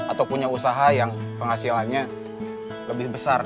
atau punya usaha yang penghasilannya lebih besar